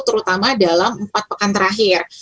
terutama dalam empat pekan terakhir